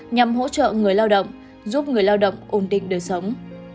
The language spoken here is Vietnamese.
nhằm hỗ trợ người lao động giúp người lao động ổn định đời sống